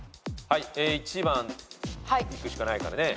１番いくしかないからね。